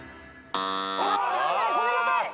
ごめんなさい。